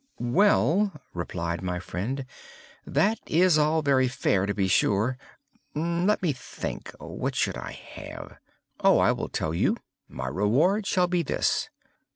"Well," replied my friend, "that is all very fair, to be sure. Let me think!—what should I have? Oh! I will tell you. My reward shall be this.